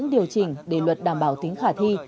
để luật đảm bảo tính khả thi